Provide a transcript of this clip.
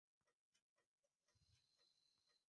ya kile chakula ulichokula kisiagike mwilini